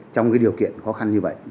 trong điều kiện khó khăn như vậy